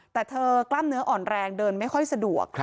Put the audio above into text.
แต่เธอกล้ามเนื้ออ่อนแรงเดินไม่ค่อยสะดวก